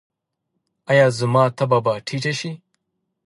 ایا زما تبه به ټیټه شي؟